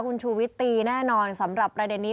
คุณชูวิตตีแน่นอนสำหรับประเด็นนี้